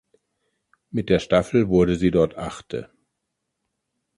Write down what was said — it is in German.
Mit der Staffel wurde sie dort Achte.